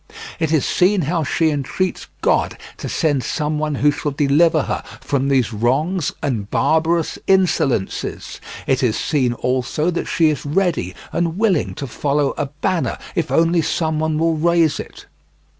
It is seen how she entreats God to send someone who shall deliver her from these wrongs and barbarous insolencies. It is seen also that she is ready and willing to follow a banner if only someone will raise it.